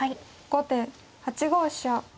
後手８五飛車。